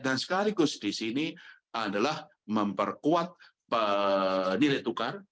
dan sekaligus di sini adalah memperkuat nilai tukar